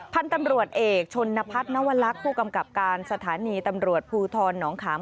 พันธุ์ตำรวจเอกชนพัฒนวลักษณ์ผู้กำกับการสถานีตำรวจภูทรหนองขาม